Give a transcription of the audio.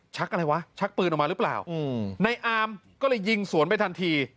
อะไรวะชักปืนออกมาหรือเปล่าในอามก็เลยยิงสวนไปทันที